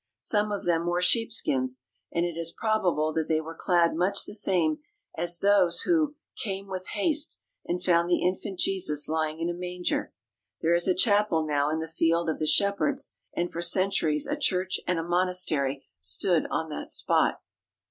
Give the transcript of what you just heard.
Some of them wore sheepskins, and it is probable that they were clad much the same as those who "came with haste" and found the infant Jesus lying in a manger. There is a chapel now in the Field of the Shepherds, and for cen turies a church and a monastery stood on the spot.